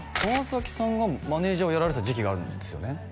川さんがマネージャーをやられてた時期があるんですよね？